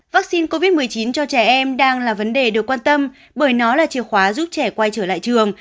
vaccine covid một mươi chín cho trẻ em đang là vấn đề được quan tâm bởi nó là chìa khóa giúp trẻ quay trở lại trường